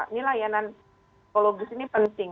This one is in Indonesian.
ini layanan psikologis ini penting